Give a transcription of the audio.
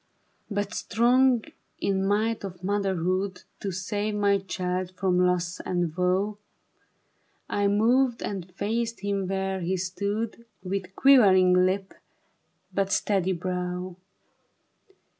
But strong in might of motherhood To save my child from loss and woe, I moved and faced him where he stood, With quivering lip but steady brov